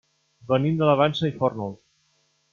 Venim de la Vansa i Fórnols.